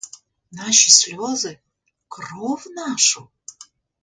Наші сльози, кров нашу?